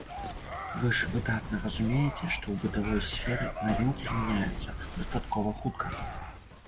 Вы ж выдатна разумееце, што ў бытавой сферы навінкі змяняюцца дастаткова хутка.